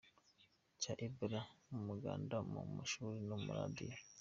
cya Ebola mu muganda, mu mashuri, ku ma radiyo